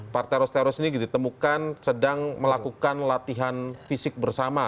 para teroris teroris ini ditemukan sedang melakukan latihan fisik bersama